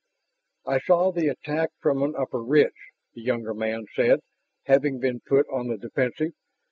"I saw the attack from an upper ridge," the younger man said, having been put on the defensive.